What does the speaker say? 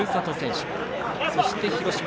そして広島。